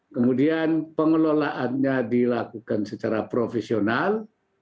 kemudian pengelolaannya dilakukan secara profesional